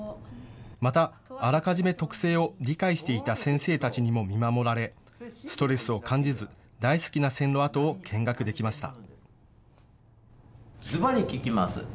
また、あらかじめ特性を理解していた先生たちにも見守られ、ストレスを感じず大好きな線路跡を見学できました。